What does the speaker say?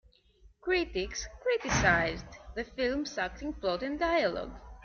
Critics criticized the film's acting, plot, and dialogue.